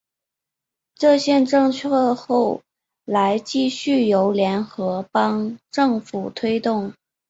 这项政策后来继续由联合邦政府推动。